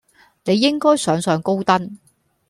你應該上上高登